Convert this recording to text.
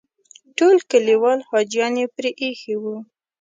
ټول کلیوال حاجیان یې پرې ایښي وو.